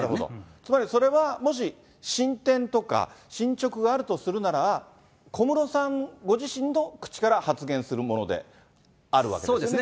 つまり、それは進展とか、進ちょくがあるとするなら、小室さんご自身の口から発言するものであるわけですね。